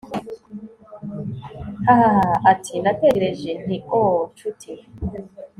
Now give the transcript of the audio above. ha-ha! ati-natekereje nti oh, nshuti